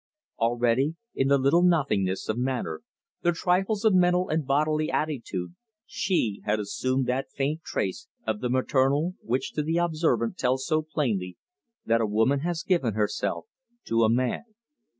Already in the little nothingnesses of manner, the trifles of mental and bodily attitude, she had assumed that faint trace of the maternal which to the observant tells so plainly that a woman has given herself to a man.